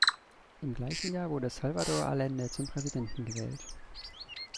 Im gleichen Jahr wurde Salvador Allende zum Präsidenten gewählt.